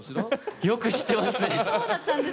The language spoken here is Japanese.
よく知ってますね。